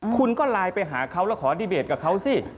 คุณก็ไลน์ไปหาเขาแล้วขออดีเบตกับเขาสิ